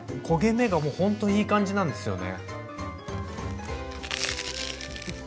焦げ目がもうほんといい感じなんですよね。